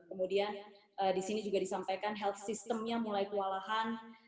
kemudian di sini juga disampaikan health systemnya mulai kewalahan